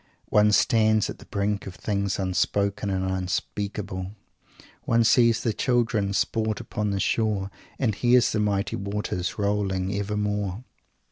One stands at the brink of things unspoken and unspeakable. One "sees the children sport upon the shore, and hears the mighty waters rolling evermore."